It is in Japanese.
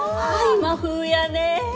今風やねぇ。